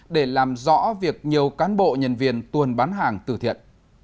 để làm rõ việc nhiều cán bộ nhân viên tuôn bán hàng tử thiện